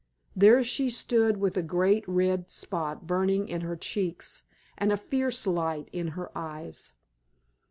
There she stood with a great red spot burning in her cheeks, and a fierce light in her eyes.